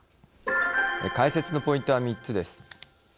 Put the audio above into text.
解説のポイントは３つです。